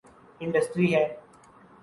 Industry ہے۔